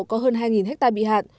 có hơn hai ha bị hạn